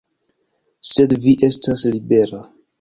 Sed vi estas libera.